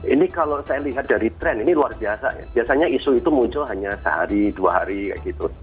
ini kalau saya lihat dari tren ini luar biasa ya biasanya isu itu muncul hanya sehari dua hari kayak gitu